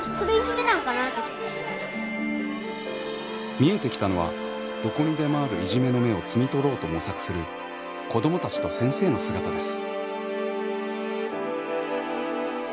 見えてきたのはどこにでもあるいじめの芽を摘み取ろうと模索する子どもたちと先生の姿です。